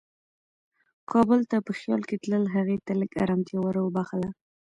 کابل ته په خیال کې تلل هغې ته لږ ارامتیا وربښله.